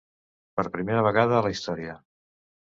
Per primera vegada a la història.